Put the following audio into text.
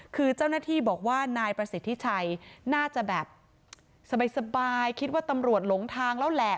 คือเจ้าหน้าที่บอกว่านายประสิทธิชัยน่าจะแบบสบายคิดว่าตำรวจหลงทางแล้วแหละ